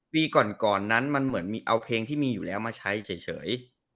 ปีก่อนนั้นมันเหมือนมีเอาเพลงที่มีอยู่แล้วมาใช้เฉย